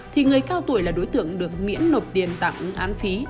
thì người cao tuổi là đối tượng được miễn nộp điền tạm ứng án phí